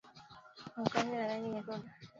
Mkojo wa rangi nyekundu